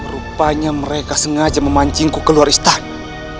rupanya mereka sengaja memancingku ke luar istana